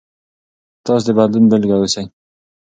تاسو د بدلون بیلګه اوسئ.